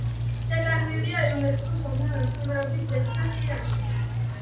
შეტანილია იუნესკოს მსოფლიო მემკვიდრეობის ძეგლთა სიაში.